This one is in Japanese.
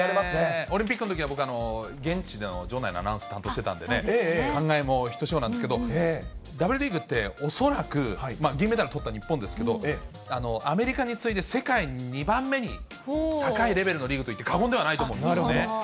オリンピックのときは僕、現地での場内のアナウンス担当してたんで、感慨もひとしおなんですけど、Ｗリーグって、恐らく、銀メダルとった日本ですけど、アメリカに次いで、世界で２番目に高いレベルのリーグといって過言ではないと思うんですよね。